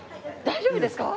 大丈夫ですか？